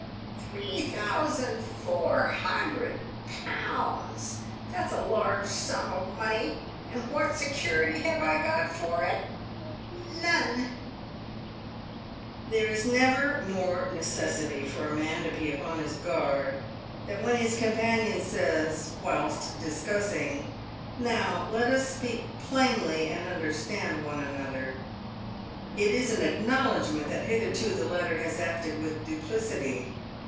" Three thousand four hundred pounds ! That's a large sum of money. And what security have I got for it ? None !" There is never more necessity for a man to be upon his guard than when his companion says, whilst discussing, " Now let us speak plainly, and understand one another." It is an acknowledgment that hitherto the latter has acted with duplicity.